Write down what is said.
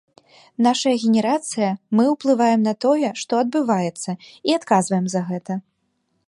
Нашая генерацыя, мы уплываем на тое, што адбываецца, і адказваем за гэта.